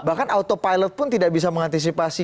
bahkan autopilot pun tidak bisa mengantisipasi